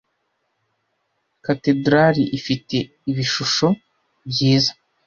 Katedrali ifite ibishusho byiza